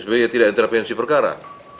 sbi tidak intervensi perkara